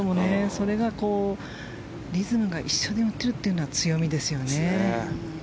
それがリズムが一緒に打てるのは強みですよね。